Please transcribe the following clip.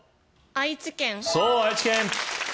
愛知県